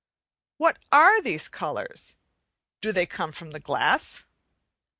What are these colours? Do they come from the glass?